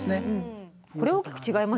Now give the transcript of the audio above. これ大きく違いますよね